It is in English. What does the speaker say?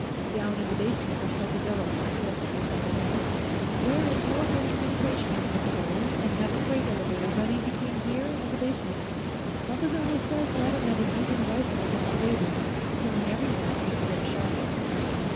"Down in the basement, with Coccozello," Prestonby said, aloud. "We're in telephone communication with Coccozello, and have a freight elevator running between here and the basement. Coccozello says Latterman is using a rifle against the raiders, killing every one he can get a shot at."